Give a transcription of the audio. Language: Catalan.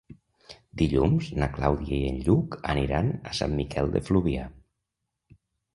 Dilluns na Clàudia i en Lluc aniran a Sant Miquel de Fluvià.